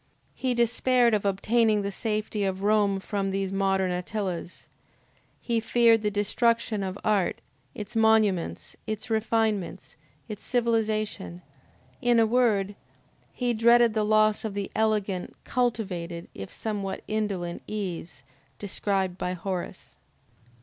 He despaired of obtaining the safety of Rome from these modern Attilas, he feared the destruction of art, its monuments, its refinements, its civilization; in a word, he dreaded the loss of the elegant, cultivated if somewhat indolent ease described by Horace.